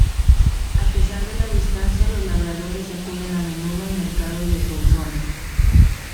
A pesar de la distancia los labradores acuden a menudo al mercado de Solsona.